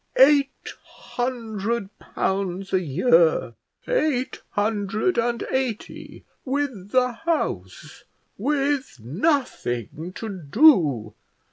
Eight hundred pounds a year! eight hundred and eighty with the house, with nothing to do.